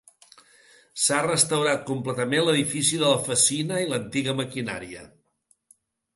S'ha restaurat completament l'edifici de la Fassina i l'antiga maquinària.